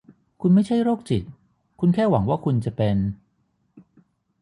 คุณไม่ใช่โรคจิตคุณแค่หวังว่าคุณจะเป็น ?